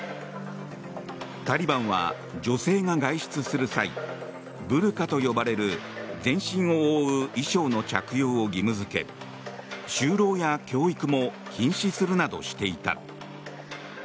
タリバンは女性が外出する際ブルカと呼ばれる全身を覆う衣装の着用を義務付け就労や教育も禁止するなどしていた。